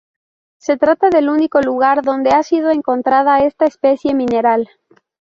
Se trata del único lugar donde ha sido encontrada esta especie mineral.